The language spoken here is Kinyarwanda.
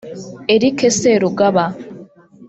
Eric Serugaba